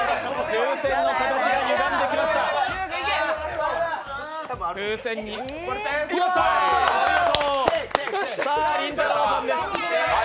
風船の形がゆがんできました、お見事。